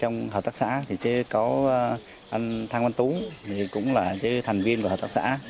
trong hợp tác xã thì có anh thang văn tú thì cũng là thành viên của hợp tác xã